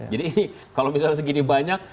jadi ini kalau misalnya segini banyak